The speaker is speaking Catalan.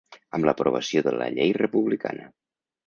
Amb l'aprovació de la Llei republicana.